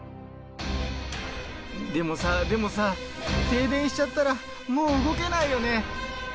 でもさでもさ停電しちゃったらもう動けないよね。